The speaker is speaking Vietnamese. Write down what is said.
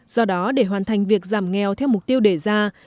do đó để hoàn thành việc giảm nghèo theo mục tiêu đề ra